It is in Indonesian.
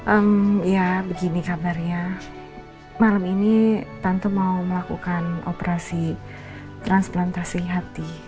hmm ya begini kabarnya malam ini tante mau melakukan operasi transplantasi hati